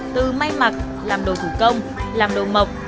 từ may mặc làm đồ thủ công làm đồ mộc